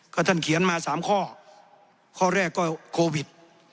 ก็ท่านเขียนมา๓ข้อข้อแรกก็โควิด